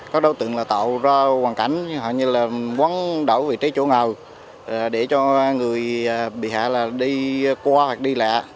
các đối tượng tạo ra hoàn cảnh hoặc như là quấn đổ vị trí chỗ ngầu để cho người bị hạ đi qua hoặc đi lạ